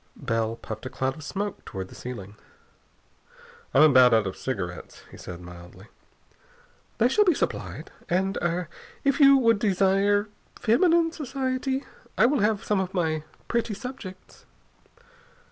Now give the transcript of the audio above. Bell puffed a cloud of smoke toward the ceiling. "I'm about out of cigarettes," he said mildly. "They shall be supplied. And er if you would desire feminine society, I will have some of my pretty subjects...."